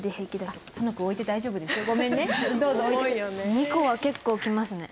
２個は結構きますね。